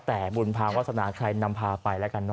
แต่บูรณภาวศาชนาใครนำพาไปแล้วกันน่ะ